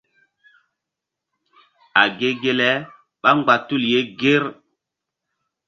A ge ge le ɓá mgba tul ye ŋger.